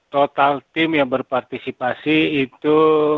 total tim yang berpartisipasi itu